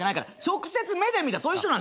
直接目で見たそういう人の話。